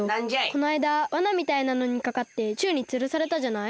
このあいだわなみたいなのにかかってちゅうにつるされたじゃない？